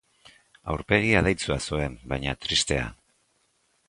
Aurpegi adeitsua zuen, baina tristea.